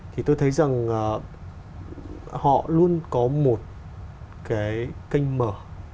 thì tôi thấy rằng họ luôn có một cái kênh mở